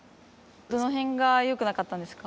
どのへんがよくなかったんですか？